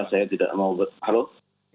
saya tidak mau berpahlut